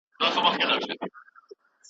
شاه د ښوونې او روزنې سیستم یې عصري کړ.